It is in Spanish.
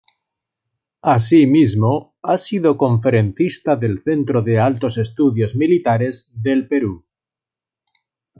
Así mismo, ha sido conferencista del Centro de Altos Estudios Militares del Perú.